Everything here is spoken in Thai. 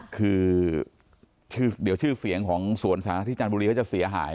คือเดี๋ยวชื่อเสียงของสวนสาธารณะที่จันทบุรีเขาจะเสียหาย